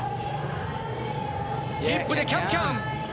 ヒップでキャンキャン。